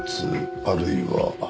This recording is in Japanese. あるいは。